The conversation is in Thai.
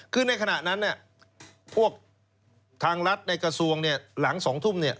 คือในขณะนั้นพวกทางรัฐในกระทรวงหลัง๒ทุ่ม